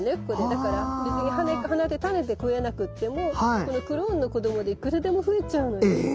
だから別に花で種で増えなくってもこのクローンの子どもでいくらでも増えちゃうの。え！